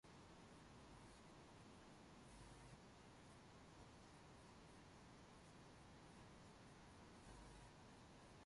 He played for the Black Yankees again the following season.